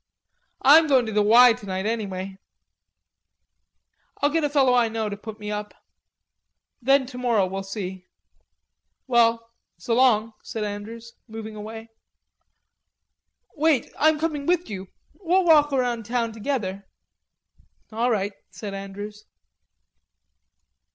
"I'm going to the 'Y' tonight anyway." "I'll get a fellow I know to put me up.... Then tomorrow, we'll see. Well, so long," said Andrews, moving away. "Wait. I'm coming with you.... We'll walk around town together." "All right," said Andrews.